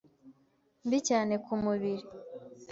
mbi cyane ku mubiri,